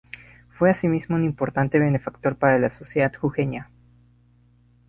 Fue asimismo un importante benefactor para la sociedad jujeña.